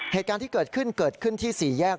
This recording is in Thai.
เหตุการณ์ที่เกิดขึ้นเกิดขึ้นที่๔แยก